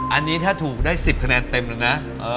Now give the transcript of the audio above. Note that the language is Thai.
อันนี้ถ้าถูกได้๑๐คะแนนเต็มเลยนะ